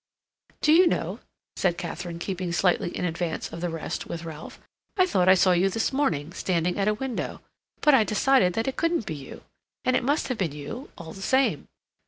"Do you know," said Katharine, keeping slightly in advance of the rest with Ralph, "I thought I saw you this morning, standing at a window. But I decided that it couldn't be you. And it must have been you all the same."